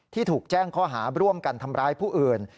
ถูกแจ้งข้อหาร่วมกันทำร้ายผู้อื่น